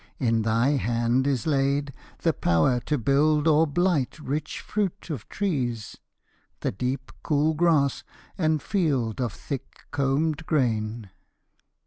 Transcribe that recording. In thy hand is laid The power to build or blight rich fruit of trees, The deep, cool grass, and field of thick combed grain.